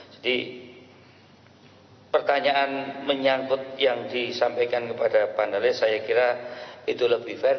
jadi pertanyaan menyangkut yang disampaikan kepada panelis saya kira itu lebih fair